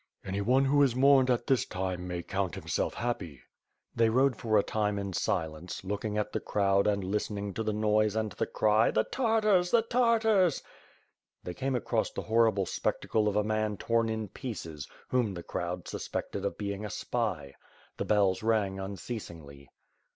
"Anyone who is mourned at this time, may count himself happy." They rode for a time in silence, looking at the crowd and listening to the noise and the cry, "The Tartars! The Tar tars!" They came across the horrible spectacle of a man torn in pieces, whom the crowd suspected of being a spy. The bells rang unceasingly.